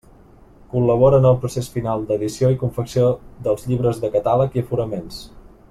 Col·labora en el procés final d'edició i confecció dels llibres de catàleg i aforaments.